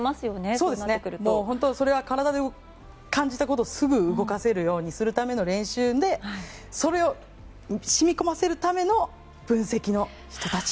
それは体で感じたことを動かせるようにするための練習でそれを染み込ませるための分析の人たち。